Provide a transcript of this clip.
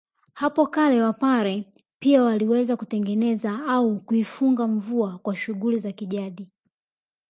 Hapo kale wapare pia waliweza kutengeneza au kuifunga mvua kwa shughuli za kijadi